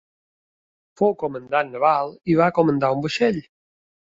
Fou comandant naval i va comandar un vaixell.